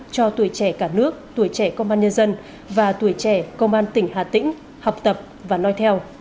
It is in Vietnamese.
cho tuổi trẻ cả nước tuổi trẻ công an nhân dân và tuổi trẻ công an tỉnh hà tĩnh học tập và nói theo